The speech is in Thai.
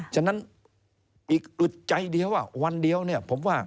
ฉะนั้นอีกอุดใจเดียววันเดียวเนี่ย